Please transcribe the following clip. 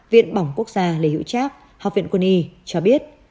viện bỏng quốc gia lê hữu trác học viện quân y cho biết